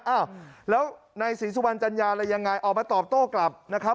อ้าวแล้วนายศรีสุวรรณจัญญาอะไรยังไงออกมาตอบโต้กลับนะครับ